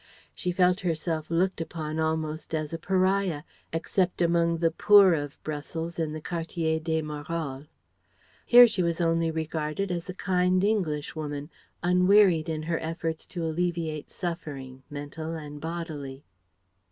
She felt herself looked upon almost as a pariah, except among the poor of Brussels in the Quartier des Marolles. Here she was only regarded as a kind Englishwoman, unwearied in her efforts to alleviate suffering, mental and bodily.